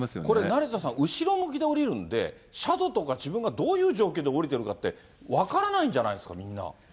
これ、成田さん、後ろ向きで降りるんで、斜度とか、自分がどういう状況でおりているかって、分からないんじゃないんですか？